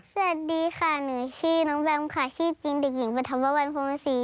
สวัสดีค่ะหนูชื่อน้องแบมค่ะชื่อจริงเด็กหญิงปฐมวันพรมศรี